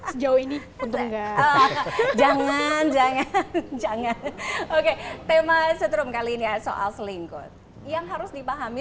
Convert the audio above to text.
sejauh ini untung nggak jangan jangan jangan oke tema setrum kali ini soal selingkuh yang harus dipahami